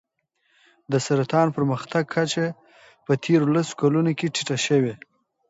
د سرطان پرمختګ کچه په تېرو لسو کلونو کې ټیټه شوې.